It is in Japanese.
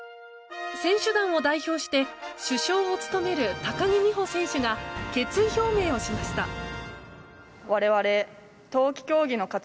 選手団を代表して主将を務める高木美帆選手が決意表明をしました。